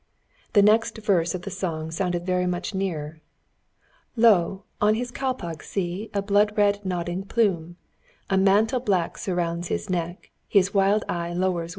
The next verse of the song sounded very much nearer: "Lo! on his kalpag see A blood red nodding plume; A mantle black surrounds his neck, His wild eye lowers with gloom."